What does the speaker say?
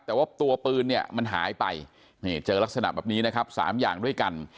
แต่ว่าตัวปืนมันหายไปเจอลักษณะแบบนี้๓อย่างด้วยกัน